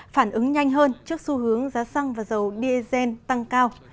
phản ứng nhanh hơn trước xu hướng giá xăng và dầu diesel tăng cao